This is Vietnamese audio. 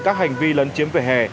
các hành vi lấn chiếm vỉa hè